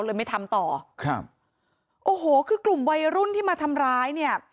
ไม่ทำต่อครับโอ้โหคือกลุ่มวัยรุ่นที่มาทำร้ายเนี่ย